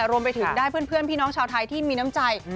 รวมไปถึงได้เพื่อนพี่น้องชาวไทยที่มีน้ำใจ